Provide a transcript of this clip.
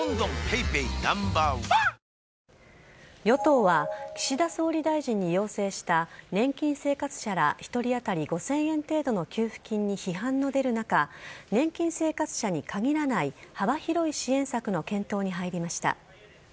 与党は岸田総理大臣に要請した、年金生活者ら１人当たり５０００円程度の給付金に批判の出る中、年金生活者に限らない幅広い支援策の検討に入りました。